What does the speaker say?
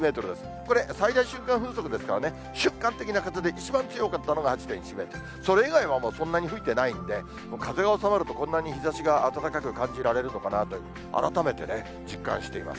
これ、最大瞬間風速ですからね、瞬間的な風で一番強かったのが８．１メートルで、それ以外はもう、そんなにもう吹いてないんで、風が収まると、こんなに日ざしが暖かく感じられるのかなという、改めてね、実感しています。